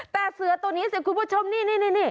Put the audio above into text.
แต่เสือตัวนี้สิคุณผู้ชมนี่